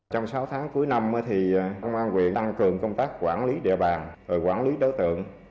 trong sáu tháng cuối năm thì công an quyện tăng cường công tác quản lý địa bàn quản lý đối tượng